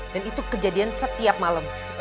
dan itu kejadian setiap malam